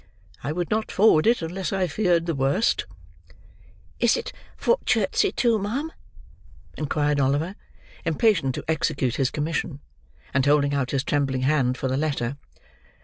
I would not forward it, unless I feared the worst." "Is it for Chertsey, too, ma'am?" inquired Oliver; impatient to execute his commission, and holding out his trembling hand for the letter.